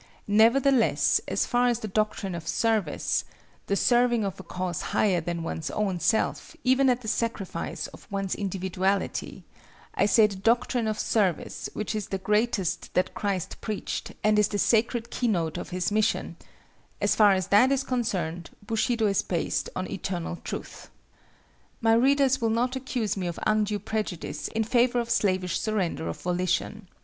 Nevertheless, as far as the doctrine of service—the serving of a cause higher than one's own self, even at the sacrifice of one's individuality; I say the doctrine of service, which is the greatest that Christ preached and is the sacred keynote of his mission—as far as that is concerned, Bushido is based on eternal truth. My readers will not accuse me of undue prejudice in favor of slavish surrender of volition.